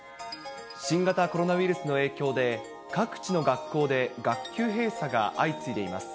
新型コロナウイルスの影響で、各地の学校で学級閉鎖が相次いでいます。